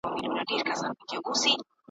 لړزوي به آسمانونه `